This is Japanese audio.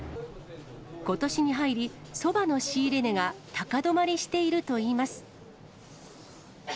ことしに入り、そばの仕入れ値が高止まりしているといいます。